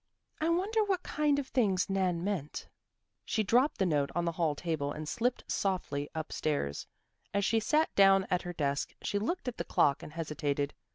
I wonder what kind of things Nan meant." She dropped the note on the hall table and slipped softly up stairs. As she sat down at her desk she looked at the clock and hesitated.